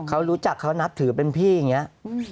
เขารู้จักเขานับถือเป็นพี่อย่างนี้